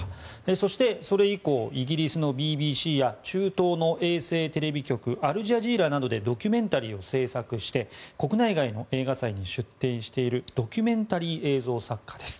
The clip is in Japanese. そして、それ以降イギリスのＢＢＣや中東の衛星テレビ局アルジャジーラなどでドキュメンタリーを制作して国内外の映画祭に出展しているドキュメンタリー映像作家です。